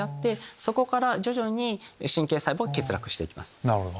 そこから徐々に神経細胞が欠落していきます。